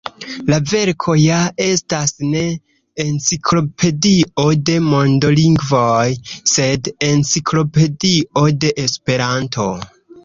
La verko ja estas ne enciklopedio de mondolingvoj, sed Enciklopedio de Esperanto.